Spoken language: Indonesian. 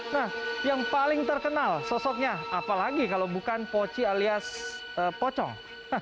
nah yang paling terkenal sosoknya apalagi kalau bukan poci alias pocong